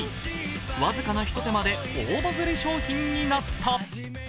僅かなひと手間で大バズりになった。